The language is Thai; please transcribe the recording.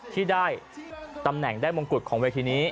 ที่ได้ตำแหน่งได้มงกุฎของเวทีนี้